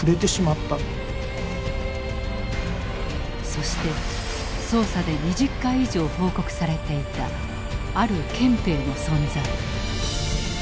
そして捜査で２０回以上報告されていたある憲兵の存在。